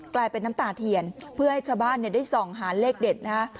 กลายเป็นน้ำตาเทียนเพื่อให้ชาวบ้านได้ส่องหาเลขเด็ดนะฮะ